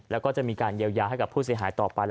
แล้วก็จะมีการเยียวยาให้กับผู้เสียหายต่อไป